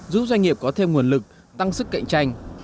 giúp doanh nghiệp có thêm nguồn lực tăng sức cạnh tranh